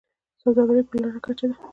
سوداګري یې په لوړه کچه ده.